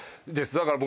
だから僕。